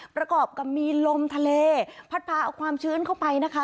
ประกอบกับมีลมทะเลพัดพาเอาความชื้นเข้าไปนะคะ